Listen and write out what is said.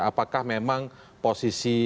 apakah memang posisi aman abad